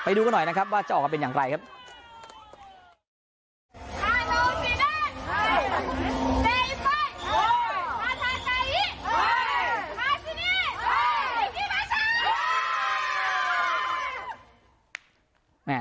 ไปดูกันหน่อยนะครับว่าจะออกมาเป็นยังไง